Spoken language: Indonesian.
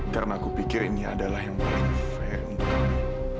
karena aku pikir ini adalah yang paling baik untuk aku